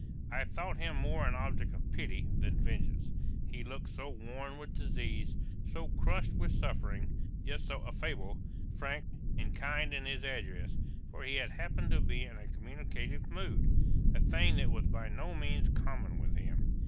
I thought him more an object of pity than vengeance; he looked so worn with disease, so crushed with suffering, yet so affable, frank, and kind in his address; for he happened to be in a communicative mood, a thing that was by no means common with him.